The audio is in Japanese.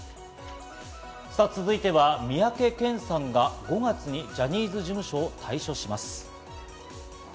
続いては、三宅健さんが５月にジャニーズ事務所を退所します。